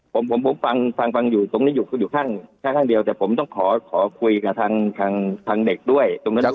ผมฟังอยู่ตรงนี้อยู่ข้างเดียวแต่ผมต้องขอคุยกับทางเด็กด้วย